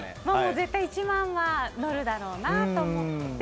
絶対、１万には乗るだろうなと思って。